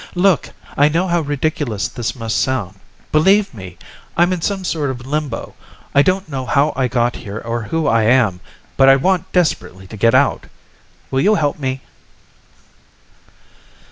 "Look, I know how ridiculous this must sound. Believe me, I'm in some sort of limbo. I don't know how I got here or who I am, but I want desperately to get out. Will you help me?"